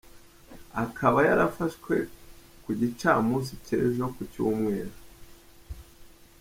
Akaba yarafashwe ku gicamunsi cy’ejo ku Cyumweru.